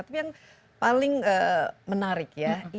tapi yang paling menarik ya